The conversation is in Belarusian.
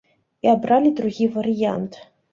І абралі другі варыянт.